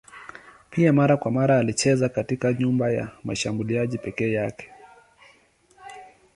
Pia mara kwa mara alicheza katikati nyuma ya mshambuliaji peke yake.